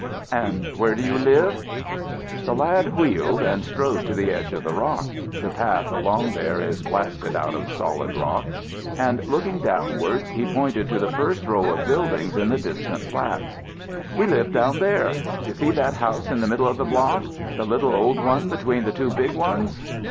"And where do you live?" The lad wheeled, and strode to the edge of the rock, the path along there is blasted out of solid rock, and looking downward, he pointed to the first row of buildings in the distant flats. "We live down there. You see that house in the middle of the block, the little old one between the two big ones?"